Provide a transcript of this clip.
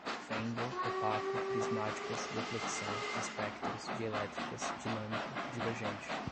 fenda, opaco, prismáticas, deflexão, espectros, dielétricas, dinâmico, divergente